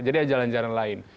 jadi ada jalan jalan lain